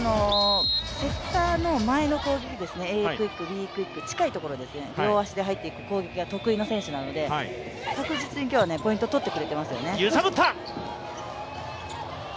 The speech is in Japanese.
セッターの前の方、Ａクイック、Ｂクイック、近いところですね、両足で入っていく攻撃が強い選手なので、確実に今日はポイントを取ってくれてますよね。